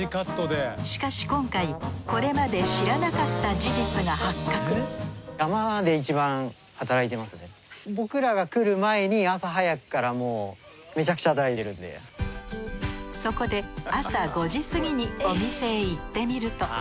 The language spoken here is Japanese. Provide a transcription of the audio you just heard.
しかし今回これまで知らなかった事実が発覚そこで朝５時過ぎにお店へ行ってみると。